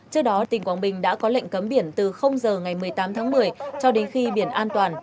trước đó tỉnh quảng bình đã có lệnh cấm biển từ giờ ngày một mươi tám tháng một mươi cho đến khi biển an toàn